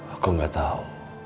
aku gak tahu